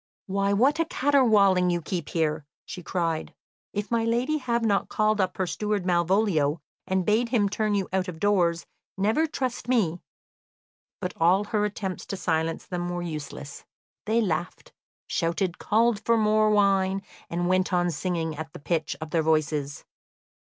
"Why, what a caterwauling you keep here!" she cried. "If my lady have not called up her steward Malvolio and bade him turn you out of doors, never trust me." But all her attempts to silence them were useless. They laughed, shouted, called for more wine, and went on singing at the pitch of their voices.